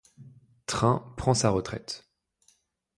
Train prend sa retraite.